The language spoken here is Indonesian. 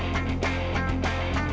lo dimana sih